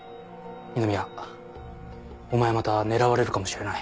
二宮お前はまた狙われるかもしれない。